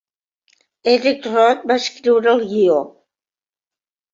Eric Roth va escriure el guió.